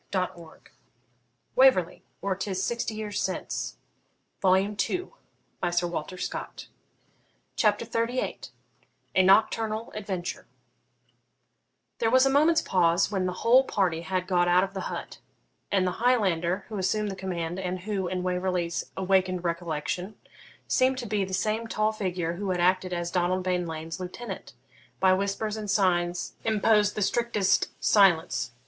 But the impatience of his attendants prohibited his asking any explanation. CHAPTER XXXVIII A NOCTURNAL ADVENTURE There was a moment's pause when the whole party had got out of the hut; and the Highlander who assumed the command, and who, in Waverley's awakened recollection, seemed to be the same tall figure who had acted as Donald Bean Lean's lieutenant, by whispers and signs imposed the strictest silence.